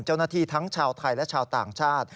เจ้าหน้าที่ทั้งชาวไทยและชาวต่างชาติ